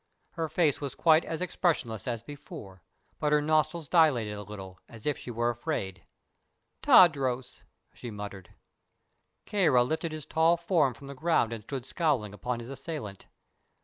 Her face was quite as expressionless as before, but her nostrils dilated a little, as if she were afraid. "Tadros!" she muttered. Kāra lifted his tall form from the ground and stood scowling upon his assailant.